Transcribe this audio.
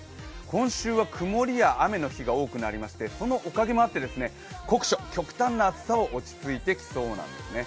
今週は曇りや雨の日が多くてそのおかげもあって酷暑、極端な暑さは落ち着いてきそうなんですね。